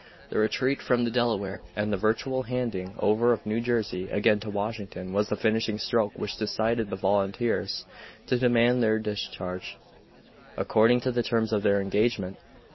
The retreat from the Delaware and the virtual handing over of New Jersey again to Washington was the finishing stroke which decided the volunteers to demand their discharge, according to the terms of their engagement.